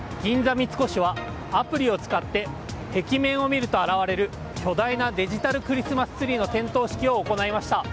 三越はアプリを使って壁面を見ると現れる巨大なデジタルクリスマスツリーの点灯式を行いました。